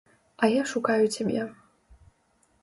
А я шукаю цябе.